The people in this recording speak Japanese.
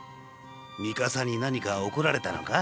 ミカサに何か怒られたのか？